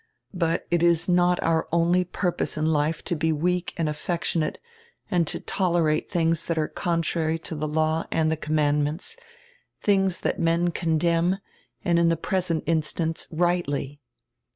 But it is not our only purpose in life to be weak and affectionate and to tolerate tilings diat are contrary to die law and die commandments, tilings diat men condemn, and in die present instance rightiy."